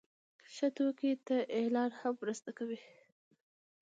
ښه توکي ته اعلان هم مرسته کوي.